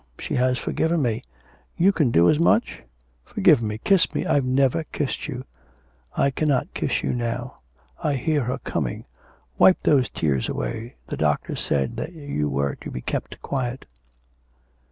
She has forgiven me. You can do as much? Forgive me, kiss me. I've never kissed you.' 'I cannot kiss you now. I hear her coming. Wipe those tears away. The doctor said that you were to be kept quiet.'